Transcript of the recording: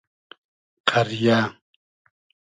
قئریۂ